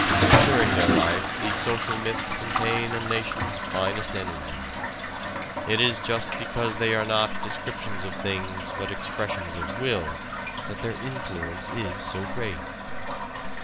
During their life these social myths contain a nation's finest energy. It is just because they are "not descriptions of things, but expressions of will" that their influence is so great.